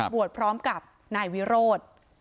บวชพร้อมกับนายวิโรธ